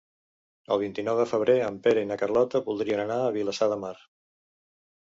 El vint-i-nou de febrer en Pere i na Carlota voldrien anar a Vilassar de Mar.